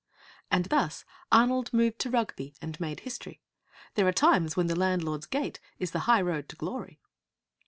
And thus Arnold moved to Rugby, and made history! There are times when the landlord's gate is the high road to glory.